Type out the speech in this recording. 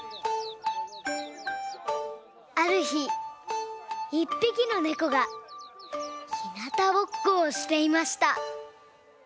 あるひ１ぴきのねこがひなたぼっこをしていました。